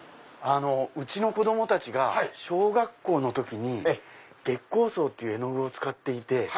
うちの子供たちが小学校の時に月光荘っていう絵の具を使っていて。